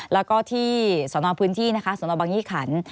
แล้วก็ที่สนพื้นที่นะคะสนบังยี่ขัน